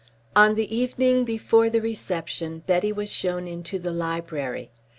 On the evening before the Reception Betty was shown into the library.